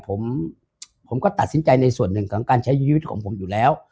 ผมผมก็ตัดสินใจในส่วนหนึ่งของการใช้ชีวิตของผมอยู่แล้ว